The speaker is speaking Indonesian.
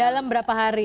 dalam berapa hari